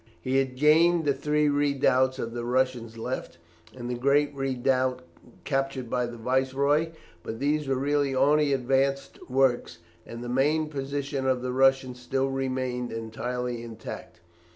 He had gained the three redoubts on the Russians' left and the great redoubt captured by the Viceroy, but these were really only advanced works, and the main position of the Russians still remained entirely intact.